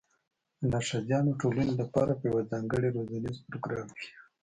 د نرښځیانو ټولنې لپاره په یوه ځانګړي روزنیز پروګرام کې